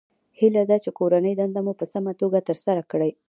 هیله ده چې کورنۍ دنده مو په سمه توګه ترسره کړئ